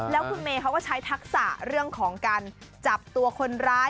แล้วคุณเมย์เขาก็ใช้ทักษะเรื่องของการจับตัวคนร้าย